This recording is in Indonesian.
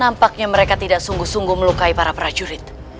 nampaknya mereka tidak sungguh sungguh melukai para prajurit